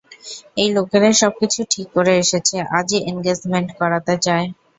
এই লোকেরা সবকিছু ঠিক করে এসেছে, আজই এন্গেজমেন্ট করাতে চায়!